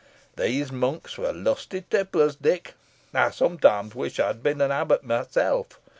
Those monks were lusty tipplers, Dick. I sometimes wish I had been an abbot myself.